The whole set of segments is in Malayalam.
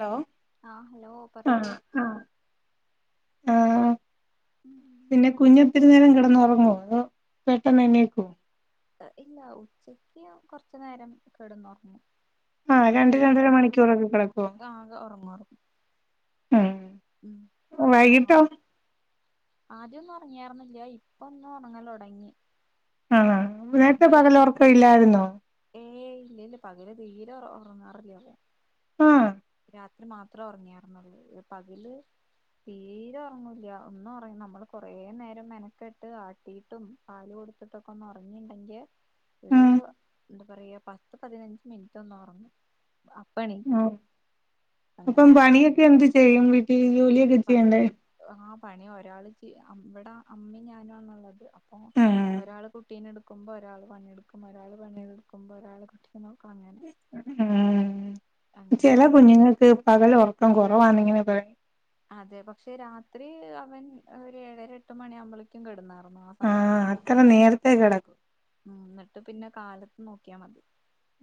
ഹലോ ആഹ് ഹലോ ആഹ് പറയൂ ആഹ് ആഹ് പിന്നെ കുഞ്ഞ് ഇത്തിരി നേരം കിടന്നുറങ്ങോ പെട്ടെന്ന് എണീക്കോ ഇല്ല ഉച്ചക്ക് കൊറച്ചു നേരം കിടന്ന് ഒറങ്ങും ആഹ് രണ്ട് രണ്ടര മണിക്കൂറൊക്കെ കിടക്കോ ആകെ ഉറങ്ങുറങ്ങും ഉം ഉം വൈകിട്ടോ [unintelligible] ആദ്യം ഒന്നും ഇറങ്ങിയിരുന്നില്ല ഇപ്പൊ ഒന്ന് ഉറങ്ങല് തുടങ്ങി. ആഹ് ആ [unintelligible] ഏയ് ഇല്ലല്ല പകല് തീരെ ഉറങ്ങാറില്ല ആഹ് രാത്രി മാത്രം ഉറങ്ങിയാർന്ന് ഉള്ളൂ പകല് തീരെ ഉറങ്ങൂല്ല ഒന്നും ഒറ നമ്മള് കൊറേ നേരം മെനക്കട്ട് ആട്ടിട്ടും പാല് കൊടുത്തിട്ടൊക്കെ ഒന്ന് ഉറങ്ങിണ്ടെങ്കി ഒരു ഉം എന്താ പറയാ പത്ത് പതിനഞ്ച് മിനിറ്റൊന്ന് ഉറങ്ങും എണീക്കും ഓ അങ്ങനെ അപ്പം പണിയൊക്കെ എന്ത് ചെയ്യും വീട്ടിൽ ജോലിയൊക്കെ ചെയ്യണ്ടേ പണി ആ പണി ഒരാൾ ഇവിടെ അമ്മയും ഞാനും ആണ് ള്ളത് അപ്പൊ ഉം ഒരാൾ കു ട്ടിനെടുക്കുമ്പോ ഒരാള് പണിയെടുക്കും ഒരാള് പണിയെടുക്കുമ്പോ ഒരാള് കുട്ടിനെ നെ നോക്കും അങ്ങനെ ഉം. അങ്ങനെ ചെല ആകും കുഞ്ഞുങ്ങൾക്ക് പകൽ ഉറക്കം കൊറവാണിങ്ങനെ പറ അതെ പക്ഷെ രാത്രി അവൻ ഒരു ഏഴര എട്ട് മണി ആവുമ്പള് ക്കും കെടന്നൊറങ്ങും [unintelligible] ആഹ് അത്ര നേരത്തെ കെടക് ഉം. ഇന്നട്ട് പിന്നെ കാലത്ത് നോക്ക്യാ മതി.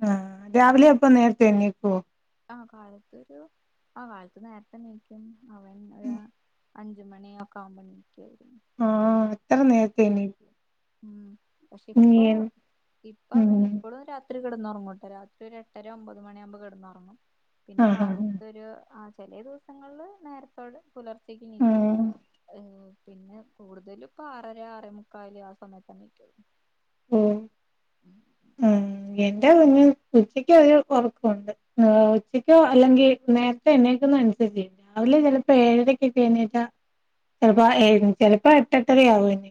ആഹ്. രാവിലെ അപ്പ നേര്ത്തെ എണീക്കോ. ആ കാലത്തൊരു, ആ കാലത്ത് നേരത്തെ നീക്കും. അവൻ ഒ - - അഞ്ച് മണിയൊക്കെ ആവുമ്പോ എണീറ്റ് വെരും. ആഹ്, അത്ര നേര്ത്തെ എണീ ഉം. പക്ഷെ ഇപ്പൊ ഇപ്പൊ അവനി ഉം ഇപ്പഴും രാത്രി കെടന്നൊറങ്ങുട്ടൊ. രാത്രി ഒരു എട്ടര ഒമ്പത് മണിയാകുമ്പോ കെട്ന്ന് ഒറങ്ങും. പിന്നെ ആഹ് ആഹ് കാലത്ത് ആഹ് ഒരു ആചെലേ ദിവസങ്ങളില് ആ നേരത് ടെ പുലർച്ചെക്ക് നീക്കും. ഉം പിന്നെ കൂടുതലും ഇപ്പ ആറര ആറേ മുക്കാല് ആ സമയത്താ നീക്കല്. ഓഹ് ആഹ് എന്റെ കുഞ്ഞും. ഉച്ചക്ക് ഒരു ഒറക്കുണ്ട്. ഉച്ചക്കോ അല്ലെങ്കിൽ നേര്ത്തെ എണീക്കുന്നെ അനുസരിച്ചെ. രാവലെ ചെലപ്പെ ഏഴരക്കൊക്കെ എണീക്ക ചെലപ്പോ ചിലപ്പോ എട്ടെട്ടര ആവും.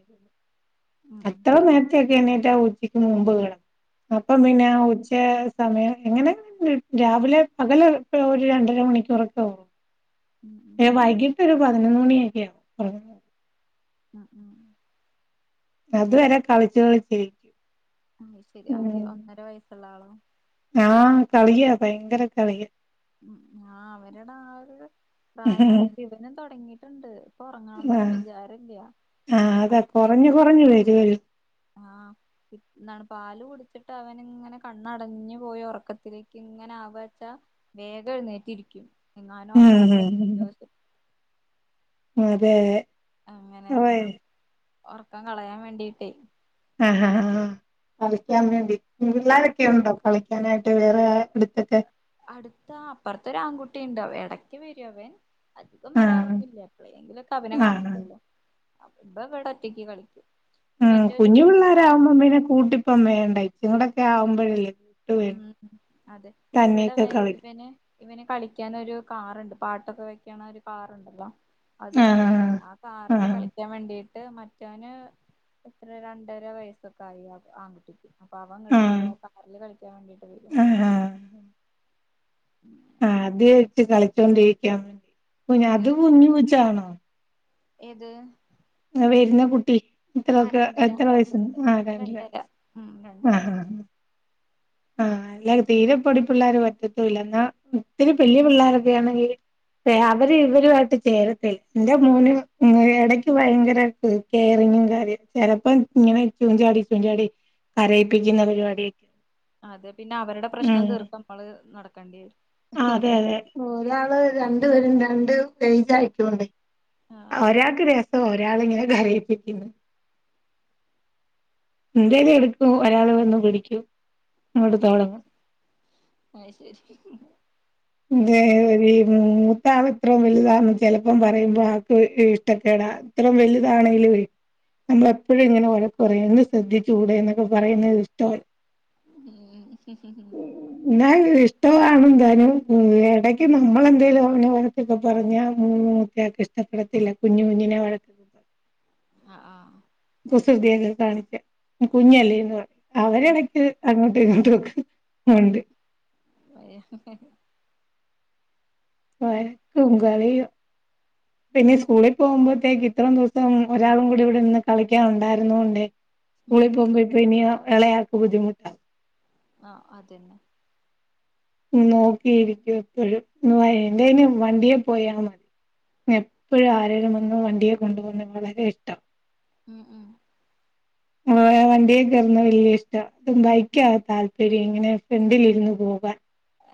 ഉം അത്ര നേരത്തെ ഒക്കെ എണീറ്റ ആ ഉച്ചയ്ക്ക് മുമ്പ് അപ്പൊ ഉം പിന്നെ ആ ഉച്ച സമയം എങ്ങനെ രാവിലെ പകല് ഒരു രണ്ടര മണിക്കൂറൊക്കെ ആവും. ഉം ഉം ഉം ഏഹ് വൈകീട്ട് ഒരു പതിനൊന്ന് മണിയൊക്കെയാവും. ഉം ഉം അതുവരെ കളിച് കളിച് അത് ശെരി. ആര് ഒന്നര വയസ്സ്ള്ള ആളോ. ആഹ് കളിയ. ഭയങ്കര കളിയാ. ഉം ആ അവരുടെ ആ ഒരു കളിയാ പ്രായാണ്. ഇപ്പ ഇവനും തൊടങ്ങീട്ടുണ്ട്. ഇപ്പ ഒറങ്ങണംന്നൊന്നും ആഹ് വിചാര ഇല്യ. ആഹ് അതാ കൊറഞ്ഞ് [unintelligible] കൊറഞ്ഞ് വരുവല്ലോ ആഹ്. എന്താണ് പാല് കുടിച്ചിട്ട് അവന് ഇങ്ങനെ കണ്ണടഞ്ഞു പോയ ഒറക്കത്തിലേക്ക് ഇങ്ങനെ ആവാച്ച വേഗം എഴുന്നേറ്റിരിക്കും. എങ്ങാനും ഒറങ്ങിയ ഉം [unintelligible] അതെ അങ്ങനെ. ഓയ് ഇന്നാ ഒറക്കം കളയാൻ വേണ്ടിട്ടേ. ആഹ് ആഹ് ആ. കളിക്കാൻ വേണ്ടി. പിള്ളേരൊക്കെ ഉണ്ടോ കളിക്കാനായിട്ട് വേറെ അടുത്തൊക്കെ. അടുത്ത. അപ്പറ്ത്തൊരാണ്കുട്ടിണ്ട്. അവൻ എടക്ക് വെര്വവെ. അധികം ആഹ് വരാറൊന്നു ഇല്ല. എപ്പഴെങ്കിലുംക്കെ അവനെ ആഹ് കാണത്തൊള്ളു. അപ്പം ഇവൻ ഇവിടെ ഒറ്റയ്ക്ക് കളിക്കും. ഉം. ഇവന്റെ ഒരു കുഞ്ഞു കുട്ടിക്കാരൻ പിള്ളേരാവുമ്പൊ പിന്നെ കൂട്ടിപ്പം വേണ്ട. ഇറ്റങ്ങടൊക്കെ ആവുമ്പഴെല്ലെ. ഉം. അതെ ഇവിടെ ഇവൻ കളിക്കും ഇവനെ ഇവന് കളിക്കാനൊരു കാറ്ണ്ട്. പാട്ടൊക്കെ വെക്കാന് ഒരു കാറുണ്ടല്ലോ. അതുണ്ട്. ആഹ് ആ കാറില് ആഹ് കളിക്കാൻ വേണ്ടിട്ട് മറ്റ് ക്ക്യാന് എത്ര രണ്ടര വയസ്സൊക്കെ ആയി. ആൺകുട്ടി അപ്പൊ അവൻ അങ്ങട് ആഹ് വര്വ. ആ കാറില് കളിക്കാൻ വേണ്ടിട്ട് വരു [unintelligible] ളെ ആഹ് ആഹ് ഉം ആദ്യായിട്ട് കളിച്ചോണ്ടിക്കാം. അത് ഉം കുഞ്ഞ് കൊച്ചാണോ. ഏത് വെരുന്ന കുട്ടി. ആ ഇത്രൊക്കെ രണ്ടര എത്ര ര വയസ്സ് ആഹ് രണ്ടിലാ രണ്ടര ഉം രണ്ടര ആഹ് അല്ലേ തീരെപ്പൊടി പിള്ളേര് പറ്റത്തൂല്ല എന്നാ ഒത്തിരി പല്യ പിള്ളേരൊക്കെ ആണെങ്കി ചേ അവര് ഇവരുമായിട്ട് ചേരത്തില്ലം എന്റെ മോനും ഇടക്ക് ഭയങ്കര കെയറിങ്ങും കാര്യാ ചെലപ്പോ ഇങ്ങനെ ഇരിക്കും ചാടി ഇപ്പറം ചാടി കരയിപ്പിക്കുന്ന പരിപാടി ഒക്കെ അതെ പിന്നെ അവരുടെ പ്രശ്നം തീർത്ത് നമ്മള് നടക്കേണ്ടി ആഹ് അതെ വരും അതെ ഒരാള് രണ്ട് പേരും രണ്ട് എയ്ജ് ആയിക്കോണ്ടേ ആ ആഹ് ഒരാക്ക് ര ഒരാള് ഇങ്ങനെ കരയിപ്പിക്കുന്ന് എന്തേലും എടുക്കും ഒരാള് വന്ന് പിടിക്കും ഇങ്ങോട്ട് തൊടങ്ങും അയ്ശെരി എന്തേ ഈ മൂത്ത ആള് ഇത്രോം വലുതാമ്പം ചെലപ്പം പറയുമ്പോ ആക്ക് ഇഷ്ടക്കേടാ ഇത്രേം വലുതാണേലുവെ നമ്മളെപ്പോഴും ഇങ്ങനെ വഴക്ക് പറയും ഒന്ന് ശ്രദ്ധിച്ചൂടെന്നൊക്കെ പറയുന്നത് ഇഷ്ടൊ ഉംഹ് ഹ് ഹ് ഹ് എന്നാലും ഇഷ്ടവാണും തിനും വേ ഇടയ്ക്ക് നമ്മളെന്തേലും അവനെ വഴക്കൊക്കെ പറഞ്ഞാ മൂ മൂത്തയാക്ക് ഇഷ്ടപ്പെടത്തില്ല കുഞ്ഞു കുഞ്ഞിനെ വഴ ആഹ്‌ ആഹ് കുസൃതിയൊക്ക കാണിച്ചാ കുഞ്ഞല്ലേന്ന് പറ ഉം അവരെടക്ക് അങ്ങോട്ടും ഇങ്ങോട്ടും ഒക്കെ ഒണ്ട് [unintelligible] വഴക്കും കളിയും പിന്നെ സ്കൂളിൽ പോകുമ്പോഴത്തേക്ക് ഇത്രം ദിവസം ഒരാളും കൂടി ഇവിടെ നിന്ന് കളിക്കാൻ ഉണ്ടായിരുന്നോണ്ടെ സ്കൂളി ഉം പോമ്പഴ്ത്തേന് എളയ ആൾക്ക് ബുദ്ധിമു ആഹ് അതന്നെ നോക്കിയിരിക്കും എപ്പഴും ഇങ്ങു വാ എന്റേന് വണ്ടിയെ പോയാ മതി എപ്പോഴും ആരേലും വന്ന് വണ്ടിയെ കൊണ്ടു പോകുന്നത് വളരെ ഇഷ്ടം ഉംഹ് ഉംഹ് ആഹ് ആഹ് വണ്ടിയേ കേറുന്ന വല്യ ഇഷ്ടാ ബൈക്കാ താല്പര്യം ഇങ്ങനെ ഫ്രണ്ടിലിരുന്ന് പോകാൻ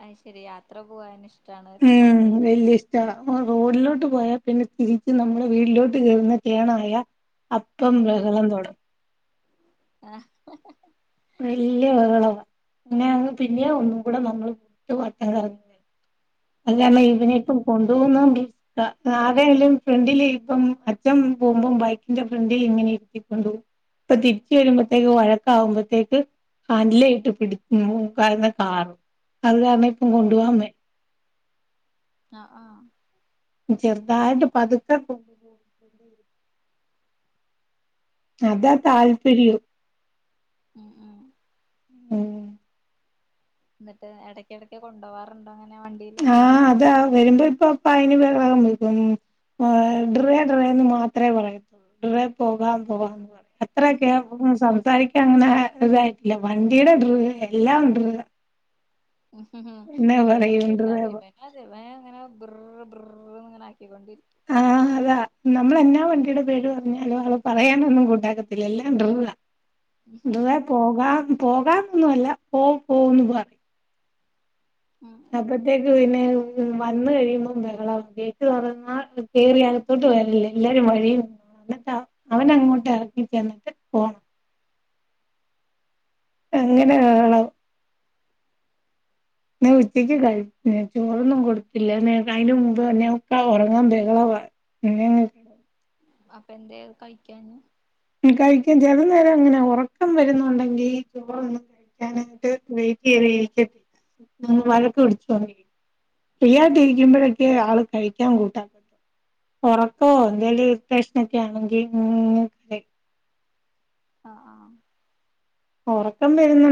അയ്ശെരി യാത്ര പോകാൻ ഇഷ് ഉം വല്യിഷ് ട്ടാ റോഡിലോട്ട് പോയാ പിന്നെ തിരിച്ച് നമ്മളെ വീട്ടിലോട്ട് കേറുന്ന ടേണായാ അപ്പം ഉം ബഹളം തൊടങ്ങും ആഹ് വല്ല്യ ബഹളവാ പിന്നെ ഞങ്ങള് പിന്നേം ഒന്നും കൂടെ നമ്മള് മുട്ട് വട്ടം കറ അല്ലേ അണ്ണൻ ആഹ് ഇവനെയിപ്പം കൊണ്ടു പോണോങ്കി കാ കാറെലും ഫ്രണ്ടില് ഇപ്പം അച്ഛൻ പോവുമ്പം ബൈക്കിന്റെ ഫ്രണ്ടിൽ ഇങ്ങനെ ഇരുത്തിക്കൊണ്ട് പോകും ഇപ്പൊ തിരിച്ച് വരുമ്പത്തേക്ക് വഴക്കാവുമ്പ ത്തേക്ക് ഹാൻഡി‌ലെ ഇട്ട് പിട് മു കാന്ന് കാറും അത് കാരണം ഇപ്പം കൊണ്ടു പോവാൻ പ ആഹ് ആഹ് ചെറുതായിട്ട് പതുക്കെ പോ അതാ താല്പരിയവും ഉം ഉം ഉം എന്നിട്ട് എടക്ക്‌ എടക്ക് കൊണ്ടോവാറ്ണ്ടോ അങ്ങനെ വണ്ടീല് ആഹ് അതെ ആഹ് വര്മ്പ ഇപ്പൊപ്പയ്ന് ബഹളംവെക്കും ട്റേ ട്റേന്ന് മാത്രേ പറയത്തൊള്ളൂ ട്റേ പോകാം പോകാന്ന് പറയാ അത്രക്കെ [unintelligible] സംസാരിക്കാൻ അങ്ങനെ ഇതായിട്ടില്ല വണ്ടീടെ ട്‌റ് എല്ലാം ട്റ് പറയും ഇവനുംണ്ട്ട്ടാ ഡ്രേ ഇവന് അതെ ഇവൻ ഇങ്ങനെ ബ്ർ ബ്ർ എന്നിങ്ങനാക്കിക്കൊണ്ടിരിക്കും ആഹ് അതാ നമ്മളെന്നാ വണ്ടീടെ പേര് പറഞ്ഞാലും ആള് പറയാനൊന്നും കൂട്ടാക്കത്തില്ല എല്ലാം ട്റാ ട്റേ പോകാം പോകാന്നൊന്നുവല്ല പോ പോന്ന് പറയും ഉം അപ്പത്തേക്ക് പിന്നെ വന്ന് കഴിയുമ്പം ബഹളാ ഗേറ്റ്‌ തൊറന്നാ കേറിയക ത്തോട്ട് വരല്ലേ എല്ലാരും വഴീനിന്നോണം എന്നട്ട് അവ അവനങ്ങോട്ടെറങ്ങിചെന്നിട്ട് പോണം അങ്ങനെ ബഹളം പിന്നെ ഉച്ചയ്ക്ക് കഴി ചോറൊന്നും കൊടുത്തില്ല നേ അയിനു മുമ്പ്തന്നെ ഒക്കെ ഒറങ്ങാൻ ബഹളവാ പിന്നെ അങ്ങ് [unintelligible] അപ്പൊ എന്തെകഴിക്കാഞ്ഞ് ഉം കഴിക്കും ചെലനേരം അങ്ങനാ ഒറക്കം വരുന്നൊണ്ടങ്കി ചോറൊന്നും വേ ഞാൻ എന്നിട്ട് വെയിറ്റ് ചെയ്ത് [unintelligible] ‌ വഴക്ക് പിടിച്ചു [unintelligible] ഫ്രീയായിട്ടിരിക്കുമ്പഴൊക്കെയേ ആള് കഴിക്കാൻ കൂട്ടാ ഒറക്കോ എന്തേലും ഇറിട്ടേഷനൊക്കെയാണെങ്കി ഇങ്ങനെകരയും ആഹ് ആഹ് ആഹ് ഒറക്കം വര്ന്ന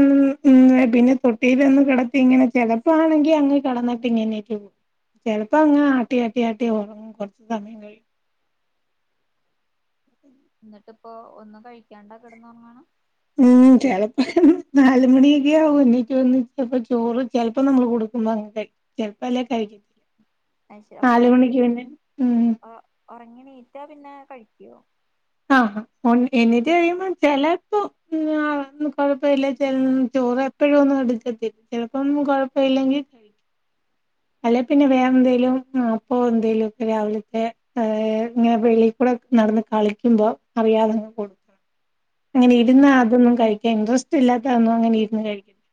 ഉം പിന്നെ തൊട്ടിലൊന്ന് കെടത്തിയിങ്ങനെ ചെലപ്പാണെങ്കി അങ്ങ് കെടന്ന പിന്നെ [unintelligible] ചെലപ്പോ അങ്ങ് ആട്ടി ആട്ടി ആട്ടി ഒറങ്ങും കൊറച്ച് സമയം കഴിയുമ്പം എന്നിട്ടിപ്പോ ഒന്നും കഴിക്കാണ്ട കെടന്നൊറങ്ങണ് ഉം ചെലപ്പൊ നാലുമണിയൊക്കെയാവും എണ്ണീറ്റ് വന്ന് [unintelligible] ചോറ് ചെലപ്പം നമ്മള് കൊടുക്കുമ്പങ്ങ് കഴിക്കും ചെലപ്പല്ലെ കഴിക്കത്തില്ല അത് ശെരി അപ്പൊ നാല് ഒറങ്ങി മണിക്ക് പിന്നെ ഉം ഓ ഒറങ്ങിഎണീറ്റാ പിന്നെ കഴിക്കുവോ ആഹ് ആഹ് [unintelligible] എണ്ണീറ്റ് കഴിയുമ്പോ ചെലപ്പോ ഞ്ഞാ കൊഴപ്പവില്ലേ ചെന്ന് ചോറെ എപ്പോഴും ഒന്നും എടുക്കത്തില്ല ചെലപ്പം കൊഴപ്പവില്ലെങ്കി അല്ലെപിന്നെ വേറെന്തേലും അപ്പോം എന്തേലുംക്കെ രാവിലത്തെ ഇങ്ങനെ വെളിക്കൂടെ നടന്ന് കളിക്കുമ്പം അറിയാതങ്ങ് കൊട്ക്കും അങ്ങനെ ഇരുന്നാ അതൊന്നും കഴിക്കാൻ ഇൻട്രസ്റ്റ് ഇല്ലാത്ത ഒന്നും അങ്ങനെ ഇരുന്ന് കഴിക്കത്തില്ല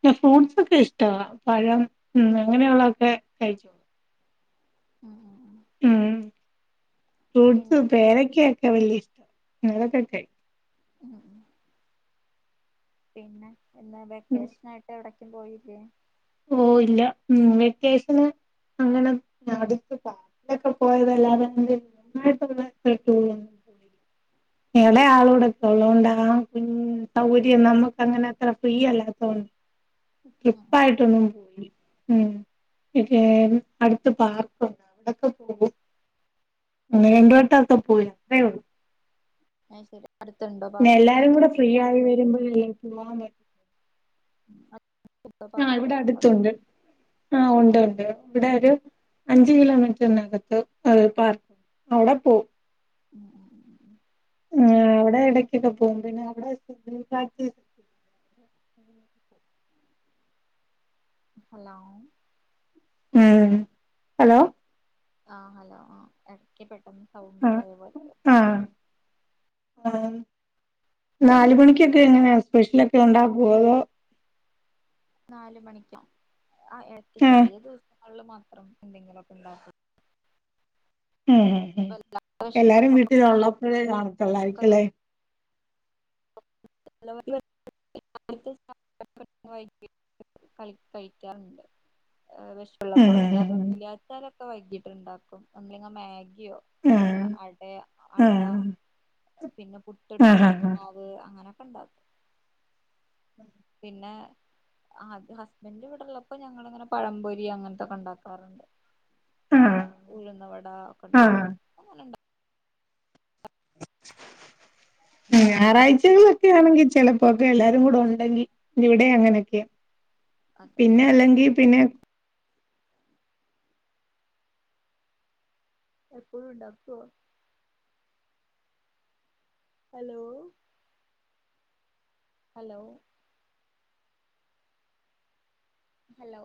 പിന്നെ ഫ്രൂട്ട്സ് ഒക്കെ ഇഷ്ടവാ പഴം ഉം അങ്ങനെയുള്ളൊതൊക്കെ കഴിച്ചോളും ഉം ഉം ഉം ഉം ഫ്രൂട്ട്സ് പിന്നെ പേരക്കൊക്കെ വലിയ ഇഷ്ടാ അതൊക്കെ കഴിക്കും ഉം ഉം പിന്നെ എന്താ ഉം വെക്കേഷനായിട്ട് എവടേക്കും പോയില്ലേ ഓഹ് ഇല്ല ഉം വെക്കേഷന് അങ്ങനെ ഒന്നും [unintelligible] പണ്ടൊക്കെ പോയതല്ലാതെ [unintelligible] ടൂറൊന്നും എളേ ആളുടൊക്കെ ഒള്ളകൊണ്ടാ കുഞ്ഞ് സൗകര്യം നമ്മുക്കങ്ങനെ അത്ര ഫ്രീ അല്ലാത്തോണ്ട് ഉം ഉം ട്രിപ്പായിട്ടൊന്നും പോയില്ല ഉം [unintelligible] അടുത്ത് പാർക്കൊണ്ട് അവടൊക്കെ പോകും ഒന്ന് ഉം രണ്ടു വട്ടൊക്കെ പോയി അത്രേ ഒള്ളൂ അയ് ശരി അടുത്തുണ്ടോ പിന്നെ പാർക്ക് എല്ലാരും കൂടെ ഫ്രീ ആയി വരുമ്പഴല്ലേ പോകാൻ പറ്റൂ [unintelligible] ആഹ് പാർക്ക് ഇവിടെ അ- അടുത്തുണ്ട് ആഹ് ഉം ഉണ്ട് ഉണ്ട് ഇവിടെ ഒരു അഞ്ച് കിലോമീറ്ററിനകത്ത് പാർക്ക് അവിടെ പോവും ഉം ഉം. ആഹ് അവിടെ ഇടക്കൊക്കെ പോകും പിന്നെ അവിടെ ഉ ഹലോ ഉംഹ് ഹലോ ആഹ് ഹലോ ആഹ് ഇടയ്ക്ക് പെട്ടെന്ന് സൗണ്ട് ആ പോയ പോലെ ആഹ് നാല് മണിക്കൊക്കെ എങ്ങനെയാ സ്പെഷ്യലൊക്കെ ഉണ്ടാക്കുവോ അതോ നാല് മണിക്കോ ആഹ് ഇടക്ക് ആഹ് ചെലേ ദിവസിൽ മാത്രം എന്തെങ്കിലും ഒക്കെ ഉണ്ടാക്കും ഉംഹ് ഉംഹ് ഇപ്പ എല്ലാ വിശപ്പൊക്കെ എല്ലാരും വീട്ടിലൊള്ളപ്പോഴേ കാണത്തൊള്ളായിരിക്കും അല്ലേ [unintelligible] [unintelligible] കഴിക്കാറുണ്ട് വെശ പ്പുള്ളപ്പോ ഇനി അതൊന്നും ഉം ഇല്ലാത്താലൊക്കെ വൈകിട്ടുണ്ടാക്കും നമ്മളിങ്ങനെ മാഗിയോ അല്ലെങ്കിൽ ഉം അട അട പിന്നെ പുട്ട് ആഹ് ആഹ് എടുത്തിട്ട് ആഹ് മാവ് അങ്ങനെയൊക്കെ ഉണ്ടാക്കും പിന്നെ അത് ഹസ്ബന്റ് ഇവിടുള്ളപ്പോ ഞങ്ങളിങ്ങനെ പഴം പൊരി അങ്ങനത്തൊക്കെ ഉണ്ടാക്കാറുണ്ട് ആഹ് ഉഴുന്നുവട ഒക്കെ ആഹ് ഉണ്ടാക്കും ഇപ്പൊ ഒന്നും ഉണ്ടാക്കും ഈ പിന്നെ ഞായറാഴ്ചകളിലൊക്കെ ആണെങ്കിൽ ചിലപ്പോക്കെ എല്ലാരും കൂടെ ഉണ്ടെങ്കിൽ ഇവിടേം അങ്ങനെയൊക്കെയാ അതല്ല പിന്നെ അല്ലെങ്കി പിന്നെ എപ്പോഴും ഉണ്ടാക്കുവോ ഹലോ ഹലോ ഹലോ